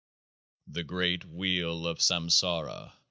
The Great Wheel of Samsara.